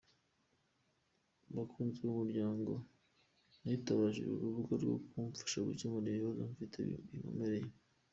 Bakunzi b’Umuryango, nitabaje uru rubuga ngo mumfashe gukemura ikibazo mfite kinkomereye.